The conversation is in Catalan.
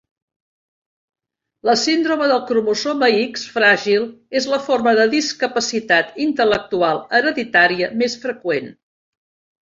La síndrome del cromosoma X fràgil és la forma de discapacitat intel·lectual hereditària més freqüent.